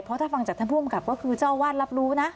เพราะถ้าฟังจากท่านผู้อำกับก็คือเจ้าอาวาสรับรู้นะ